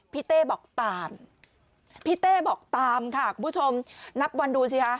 พี่เต๊บอกตามค่ะคุณผู้ชมนับวันดูสิค่ะ